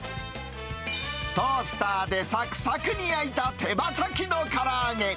トースターでさくさくに焼いた手羽先のから揚げ。